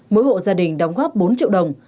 mỗi hộ gia đình đóng góp bốn triệu đồng